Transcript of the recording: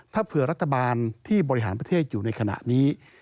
ถ้าเผื่อรัฐบาลที่บริหารประเทศอยู่ในขณะนี้